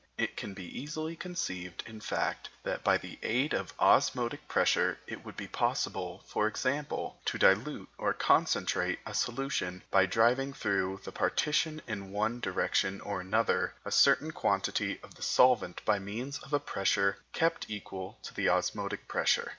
It can be easily conceived, in fact, that by the aid of osmotic pressure it would be possible, for example, to dilute or concentrate a solution by driving through the partition in one direction or another a certain quantity of the solvent by means of a pressure kept equal to the osmotic pressure.